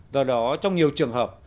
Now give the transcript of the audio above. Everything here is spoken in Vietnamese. do đó trong nhiều trường hợp